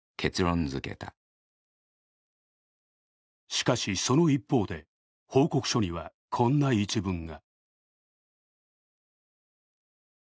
しかしその一方で、報告書にはこんな一文が。